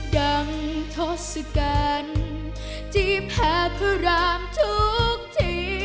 ดั่งทศกัณฐ์ที่แพพรามทุกที